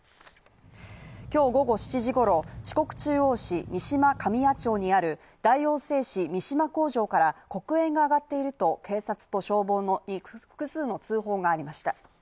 今日午後７時ごろ四国中央市三島紙屋町にある大王製紙三島工場から黒煙が上がっていると警察と消防に複数の通報がありました。